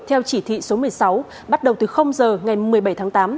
theo chỉ thị số một mươi sáu bắt đầu từ giờ ngày một mươi bảy tháng tám